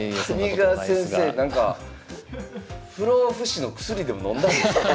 谷川先生なんか不老不死の薬でものんだんですか？